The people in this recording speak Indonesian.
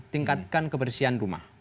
tingkatkan kebersihan rumah